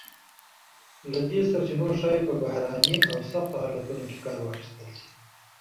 له دې سرچینو ښایي په بحراني او سختو حالتونو کې کار واخیستل شی.